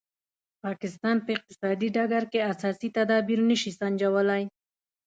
پاکستان په اقتصادي ډګر کې اساسي تدابیر نه شي سنجولای.